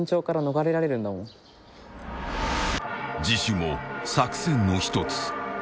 ［自首も作戦の一つ］